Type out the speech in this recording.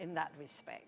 dalam hal tersebut